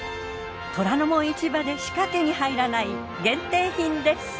『虎ノ門市場』でしか手に入らない限定品です。